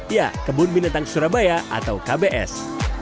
ya kebun binatang surabaya atau kbs